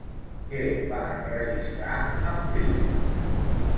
Què va enregistrar amb Philips?